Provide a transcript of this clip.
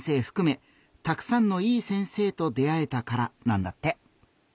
ふくめたくさんのいい先生と出会えたからなんだって。